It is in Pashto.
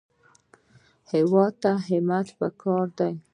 هېواد ته همت پکار دی